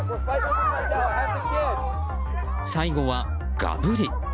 最後はガブリ。